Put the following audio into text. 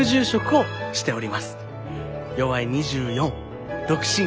よわい２４独身。